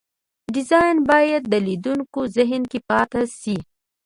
ډیزاین باید د لیدونکو ذهن کې پاتې شي.